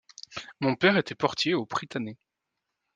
Mon père était portier au Prytanée.